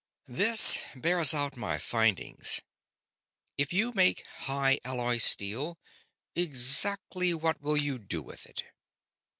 "This bears out my findings. If you make high alloy steel, exactly what will you do with it?"